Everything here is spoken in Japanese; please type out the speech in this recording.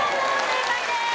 正解です。